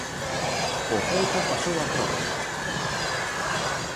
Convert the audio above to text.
O Celta pasou a proba.